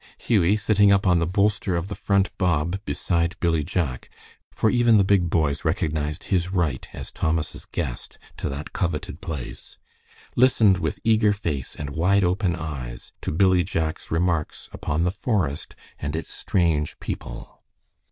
Hughie, sitting up on the bolster of the front bob beside Billy Jack, for even the big boys recognized his right, as Thomas' guest, to that coveted place, listened with eager face and wide open eyes to Billy Jack's remarks upon the forest and its strange people.